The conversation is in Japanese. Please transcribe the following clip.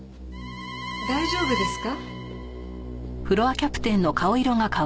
大丈夫ですか？